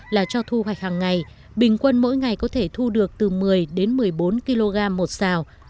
là cho thu hoạch hàng ngày bình quân mỗi ngày có thể thu được từ một mươi đến một mươi bốn kg một xào